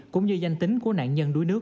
cũng như danh tính của nạn nhân đuối nước